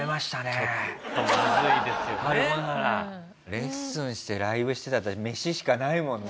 レッスンしてライブしてだったら飯しかないもんね。